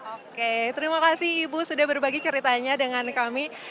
oke terima kasih ibu sudah berbagi ceritanya dengan kami